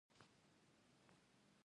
د پکتیا په څمکنیو کې د ګچ نښې شته.